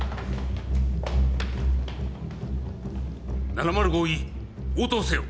７０５Ｅ応答せよ。